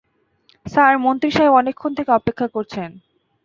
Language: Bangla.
স্যার, মন্ত্রী সাহেব অনেকক্ষণ থেকে অপেক্ষা করছেন।